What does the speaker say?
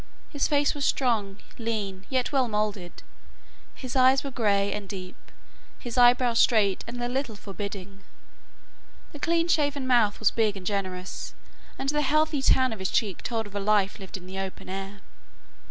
His face was strong, lean, yet well moulded. His eyes were grey and deep, his eyebrows straight and a little forbidding. The clean shaven mouth was big and generous, and the healthy tan of his cheek told of a life lived in the open air.